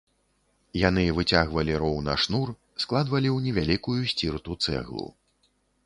Яны выцягвалі роўна шнур, складвалі ў невялікую сцірту цэглу.